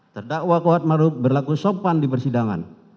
terdakwa kuat makrup berlaku sopan di persidangan